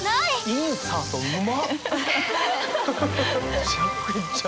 インサートうま！